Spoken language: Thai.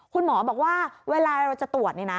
คุณหมอบอกว่าเวลาเราจะตรวจนี่นะ